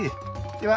では。